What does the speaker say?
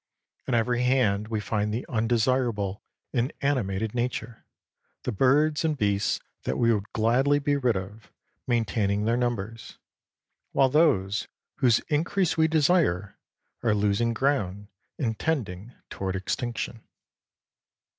On every hand we find the undesirable in animated nature, the birds and beasts that we would gladly be rid of, maintaining their numbers, while those whose increase we desire are losing ground and tending toward extinction.